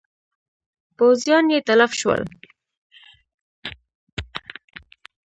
پوځیان یې تلف شول.